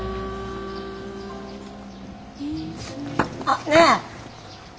あっねえ。